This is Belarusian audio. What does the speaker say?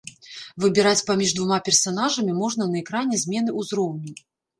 Выбіраць паміж двума персанажамі можна на экране змены ўзроўню.